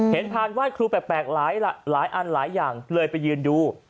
พานไหว้ครูแปลกหลายอันหลายอย่างเลยไปยืนดู